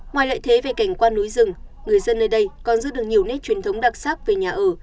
ngoài lợi thế về cảnh quan núi rừng người dân nơi đây còn giữ được nhiều nét truyền thống đặc sắc về nhà ở